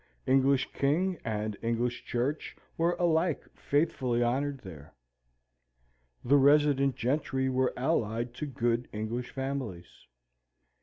English king and English church were alike faithfully honoured there. The resident gentry were allied to good English families.